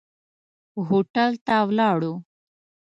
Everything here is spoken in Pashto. هوټل ته ولاړو.